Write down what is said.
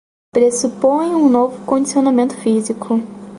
Pressupõe um novo condicionamento físico